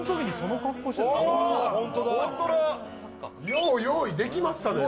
よう用意できましたね